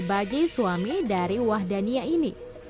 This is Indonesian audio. bagi suami dari wahdania ini